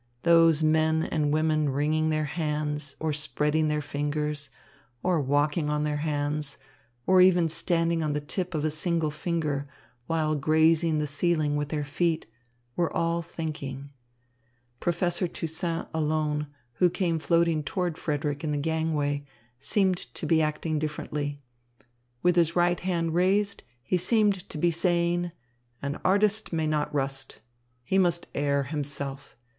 Those men and women wringing their hands or spreading their fingers, or walking on their hands, or even standing on the tip of a single finger, while grazing the ceiling with their feet, were all thinking. Professor Toussaint alone, who came floating toward Frederick in the gangway, seemed to be acting differently. With his right hand raised, he seemed to be saying: "An artist may not rust. He must air himself.